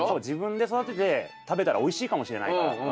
自分で育てて食べたらおいしいかもしれないから。